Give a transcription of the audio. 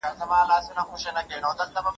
فزیکي فعالیت د بدن سالم ساتي.